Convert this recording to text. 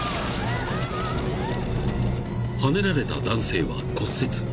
［はねられた男性は骨折］